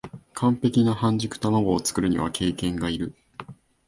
完璧な半熟たまごを作るには経験がいる